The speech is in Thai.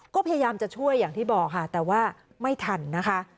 ก็พยายามจะช่วยอย่างที่บอกค่ะแต่ว่าไม่ทันนะคะ